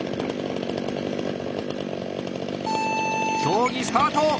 競技スタート！